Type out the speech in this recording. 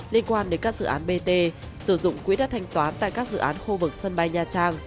liên quan đến các dự án bt sử dụng quỹ đất thanh toán tại các dự án khu vực sân bay nha trang